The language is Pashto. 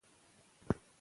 مینه وال بدلون ګوري.